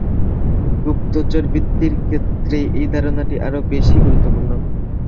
গুপ্তচরবৃত্তির ক্ষেত্রে এই ধারণাটি আরও বেশি গুরুত্বপূর্ণ।